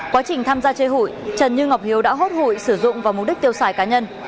quá trình tham gia chơi hụi trần như ngọc hiếu đã hốt hụi sử dụng vào mục đích tiêu xài cá nhân